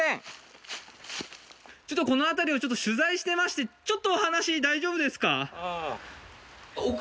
ちょっとこの辺りを取材してましてちょっとお話大丈夫ですか？